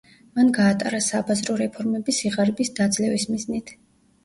მან გაატარა საბაზრო რეფორმები სიღარიბის დაძლევის მიზნით.